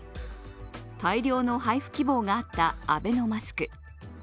大量の配布希望があったアベノマスク。